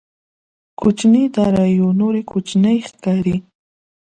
کوچنيې داراییو نورې کوچنۍ ښکاري.